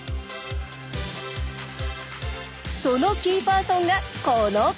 そのキーパーソンがこの方！